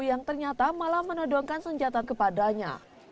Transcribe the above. yang ternyata malah menodongkan senjata kepadanya